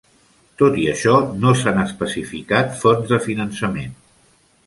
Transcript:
Tot i això, no s'han especificat fonts de finançament.